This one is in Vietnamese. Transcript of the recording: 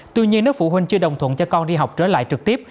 tuy nhiên nếu phụ huynh chưa đồng thuận cho con đi học trở lại trực tiếp